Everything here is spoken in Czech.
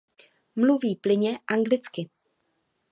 Mluví plynně anglicky.